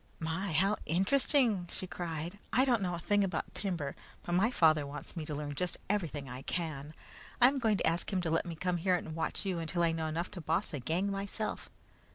"My! How interesting!" she cried. "I don't know a thing about timber, but my father wants me to learn just everything I can. I am going to ask him to let me come here and watch you until I know enough to boss a gang myself.